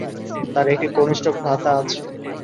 তার একটি কনিষ্ঠ ভ্রাতা আছে।